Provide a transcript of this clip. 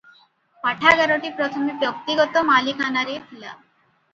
ପାଠାଗାରଟି ପ୍ରଥମେ ବ୍ୟକ୍ତିଗତ ମାଲିକାନାରେ ଥିଲା ।